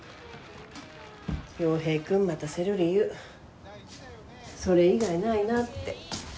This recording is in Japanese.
洋平くん待たせる理由それ以外ないなって。